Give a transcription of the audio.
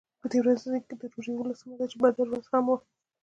په دې ورځ د روژې اوولسمه وه چې د بدر ورځ هم وه.